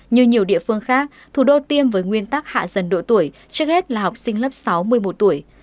như nhiều địa phương khác thủ đô tiêm với nguyên tắc hạ dần độ tuổi trước hết là học sinh lớp sáu một mươi một tuổi